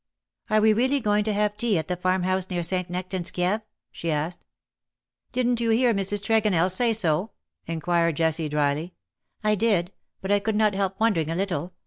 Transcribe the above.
" Are we really goiog to have tea at the farm house near St. Nectan^s Kieve P^"* she asked. '^ Didn^t you hear Mrs. Tregonell say so V* inquired Jessie, dryly. '' I did ; but I could not help wondering a little.